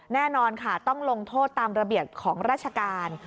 แน่นอนค่ะต้องลงโทษตามระเบียบของราชการ